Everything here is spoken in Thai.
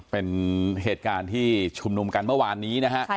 เป็นเหตุการณ์ที่ชุมนุมกันเมื่อวานนี้นะฮะ